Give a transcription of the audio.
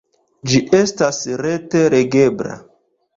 Ĝi estas rete legebla.